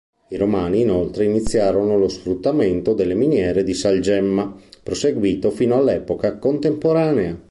I Romani inoltre iniziarono lo sfruttamento delle miniere di salgemma, proseguito fino all'epoca contemporanea.